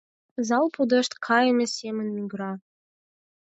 Зал пудешт кайыме семын мӱгыра.